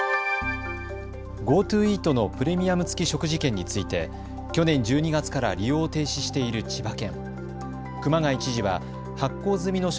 ＧｏＴｏイートのプレミアム付き食事券について去年１２月から利用を停止している千葉県。